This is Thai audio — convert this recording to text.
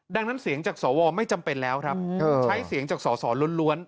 ดังนั้นเสียงจากสวไม่จำเป็นแล้วครับใช้เสียงจากสอสอล้วน